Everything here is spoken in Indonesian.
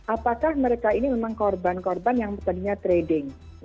apakah mereka ini memang korban korban yang tadinya trading